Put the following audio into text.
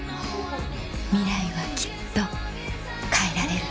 ミライはきっと変えられる